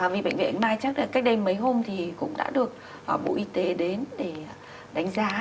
vì bệnh viện mai chắc là cách đây mấy hôm thì cũng đã được bộ y tế đến để đánh giá